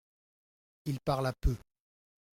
Il parla peu.